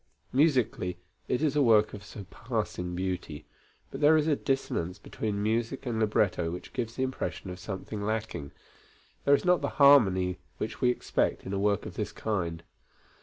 Musically, it is a work of surpassing beauty; but there is a dissonance between music and libretto which gives the impression of something lacking; there is not the harmony which we expect in a work of this kind.